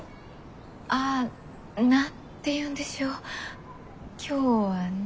あ何て言うんでしょう今日はね。